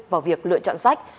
vào việc lựa chọn sách